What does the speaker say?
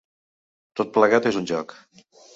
Tot plegat és un joc!